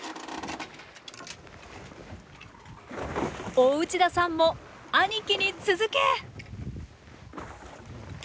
大内田さんも兄貴に続け！